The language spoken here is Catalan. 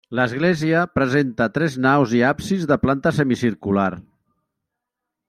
L'església presenta tres naus i absis de planta semicircular.